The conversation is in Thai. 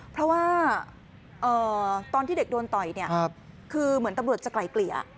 เพราะว่าตอนที่เด็กโดนต่อยเนี่ยคือเหมือนตำรวจจะไกลเกลี่ย